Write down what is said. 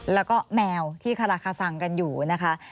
แล้วก็แมวที่คาราคาซังกันอยู่นะคะ